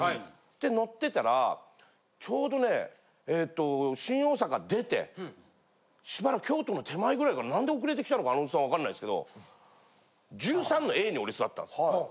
で乗ってたらちょうどねえっと新大阪出てしばらく京都の手前ぐらいかな何で遅れてきたのかあのおじさんわかんないですけど１３のＡに俺座ってたんです。